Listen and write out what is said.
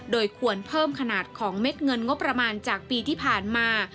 โดยควรเพิ่มขนาดของเม็ดเงินงบประมาณจากปีที่ผ่านมา